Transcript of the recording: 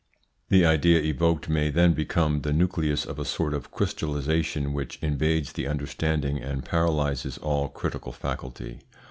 The idea evoked may then become the nucleus of a sort of crystallisation which invades the understanding and paralyses all critical faculty.